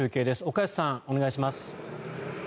岡安さん、お願いします。